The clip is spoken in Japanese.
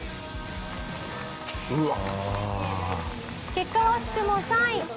結果は惜しくも３位。